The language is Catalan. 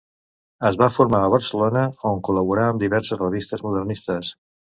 Es va formar a Barcelona, on col·laborà amb diverses revistes modernistes.